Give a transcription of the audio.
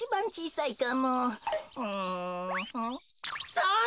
そうだ！